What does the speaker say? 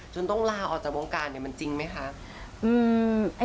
จนต้องลาออกจากวงการมันจริงไหมคะ